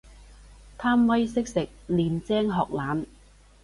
貪威識食，練精學懶